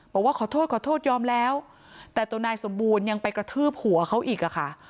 บอกว่าขอโทษขอโทษยอมแล้วแต่ตัวนายสมบูรณ์ยังไปกระทืบหัวเขาอีกอะค่ะ